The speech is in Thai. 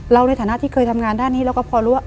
ในฐานะที่เคยทำงานด้านนี้เราก็พอรู้ว่า